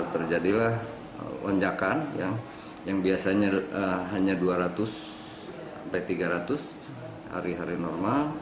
terjadilah lonjakan yang biasanya hanya dua ratus sampai tiga ratus hari hari normal